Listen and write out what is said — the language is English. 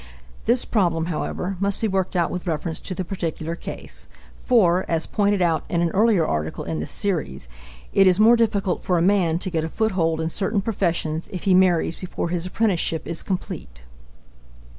This problem, however, must be worked out with reference to the particular case, for, as pointed out in an earlier article in this series, it is more difficult for a man to get a foothold in certain professions if he marries before his apprenticeship is complete.